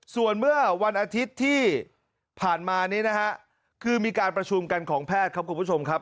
ส่วนเมื่อวันอาทิตย์ที่ผ่านมานี้นะฮะคือมีการประชุมกันของแพทย์ครับคุณผู้ชมครับ